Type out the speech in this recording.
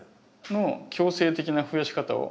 の強制的なふやし方を。